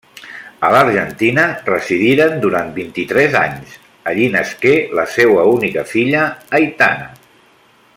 A l'Argentina residiren durant vint-i-tres anys, allí nasqué la seua única filla, Aitana.